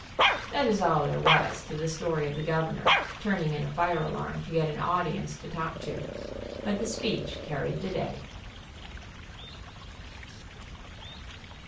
That is all there was to the story of the Governor turning in a fire alarm to get an audience to talk to, but the speech carried the day.